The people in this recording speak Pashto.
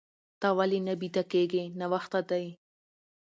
ته ولې نه بيده کيږې؟ ناوخته دي.